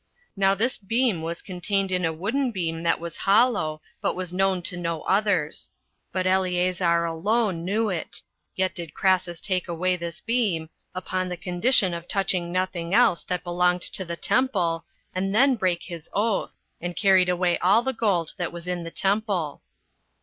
Now this beam was contained in a wooden beam that was hollow, but was known to no others; but Eleazar alone knew it; yet did Crassus take away this beam, upon the condition of touching nothing else that belonged to the temple, and then brake his oath, and carried away all the gold that was in the temple.